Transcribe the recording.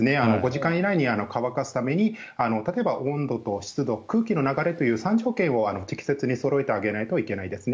５時間以内に乾かすために例えば、温度と湿度空気の流れという３条件を適切にそろえてあげないといけないです。